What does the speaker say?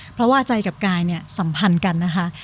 เพราะว่าใจกับกายเนี่ยสัมพันธ์กันนะคะ